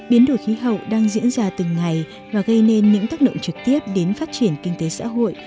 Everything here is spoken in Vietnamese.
biến đổi khí hậu đang diễn ra từng ngày và gây nên những tác động trực tiếp đến phát triển kinh tế xã hội